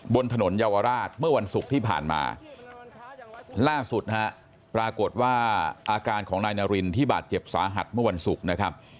บนถนนเยาวราชเมื่อวันศุกร์ที่ผ่านมาล่าสุดนะฮะปรากฏว่าอาการของนายนารินที่บาดเจ็บสาหัสเมื่อวันศุกร์นะครับ